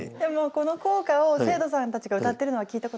この校歌を生徒さんたちが歌ってるのは聞いたことありますか？